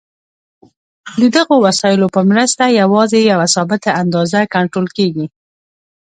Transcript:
د دغو وسایلو په مرسته یوازې یوه ثابته اندازه کنټرول کېږي.